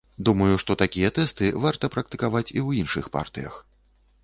Думаю, што такія тэсты варта практыкаваць і ў іншых партыях.